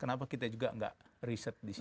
kenapa kita juga nggak riset disini